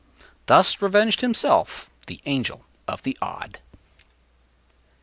Thus revenged himself the Angel of the Odd.